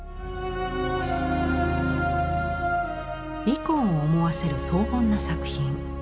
イコンを思わせる荘厳な作品。